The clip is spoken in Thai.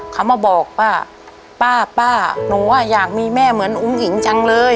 เขามาบอกป้าป้าหนูอ่ะอยากมีแม่เหมือนอุ้งอิ๋งจังเลย